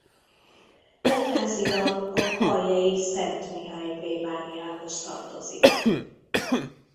Egyházilag a kaljei Szent Mihály plébániához tartozik.